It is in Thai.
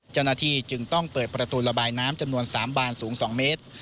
เจ้าหน้าที่จึงต้องเปิดประตูระบายน้ำจำนวน๓บานสูง๒เมตร